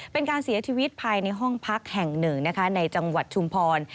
เป็นการเสียชีวิตภายในห้องพักแห่งหนึ่งนะคะในจังหวัดชุมพร